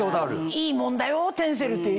「いいもんだよテンセル」って。